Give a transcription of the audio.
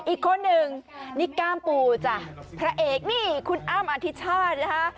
อีกคนหนึ่งนี่ก้ามปูจ้ะพระเอกนี่คุณอ้ำอธิชาตินะคะ